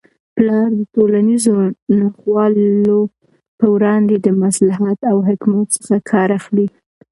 پلار د ټولنیزو ناخوالو په وړاندې د مصلحت او حکمت څخه کار اخلي.